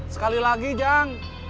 sekali lagi jang